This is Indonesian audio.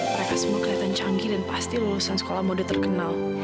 mereka semua kelihatan canggih dan pasti lulusan sekolah mode terkenal